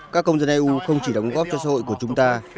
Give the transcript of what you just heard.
các công dân eu không chỉ đóng góp cho xã hội của chúng ta